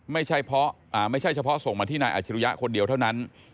ไม่ใช่เฉพาะส่งมาที่นายอาชิริยะคนเดียวเท่านั้น